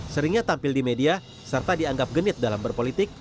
seringnya tampil di media serta dianggap genit dalam berpolitik